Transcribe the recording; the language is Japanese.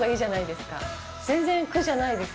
全然苦じゃないです。